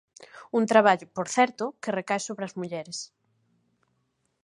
Un traballo, por certo, que recae sobre as mulleres.